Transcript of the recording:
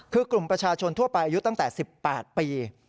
คือกลุ่มประชาชนทั่วไปอายุตั้งแต่๑๘ปี